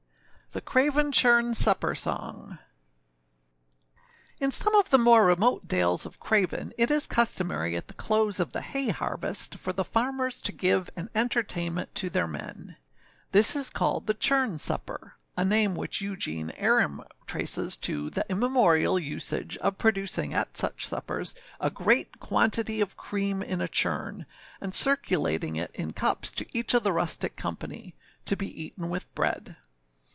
THE CRAVEN CHURN SUPPER SONG. [IN some of the more remote dales of Craven it is customary at the close of the hay harvest for the farmers to give an entertainment to their men; this is called the churn supper; a name which Eugene Aram traces to 'the immemorial usage of producing at such suppers a great quantity of cream in a churn, and circulating it in cups to each of the rustic company, to be eaten with bread.